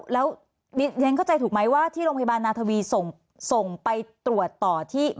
แล้วเรียนเข้าใจถูกไหมว่าที่โรงพยาบาลนาธวีส่งไปตรวจต่อที่